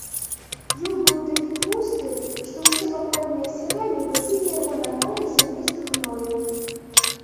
Іл быў такі тлусты, што ўсе вакольныя сяляне вазілі яго на поле замест гною.